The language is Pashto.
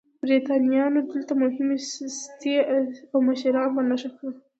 برېټانویانو دلته مهمې سټې او مشران په نښه کړل.